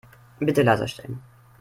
Bitte leiser stellen.